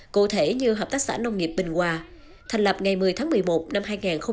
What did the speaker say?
cụ thể như hợp tác xã nông nghiệp bình hòa thành lập ngày một mươi tháng một mươi một năm hai nghìn một mươi